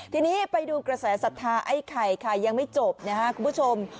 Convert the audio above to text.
ทีนี้ไปดูกระแสศรัทธาไอ้ไข่ค่ะยังไม่จบนะครับคุณผู้ชม